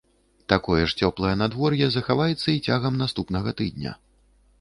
Такое ж цёплае надвор'е захаваецца і цягам наступнага тыдня.